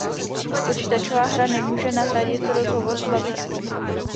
Počítačová hra nemůže nahradit rozhovor s babičkou.